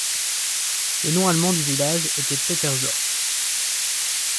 Le nom allemand du village était Petersdorf.